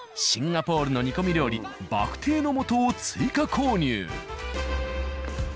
シンガポールの煮込み料理バクテーの素を追加購入。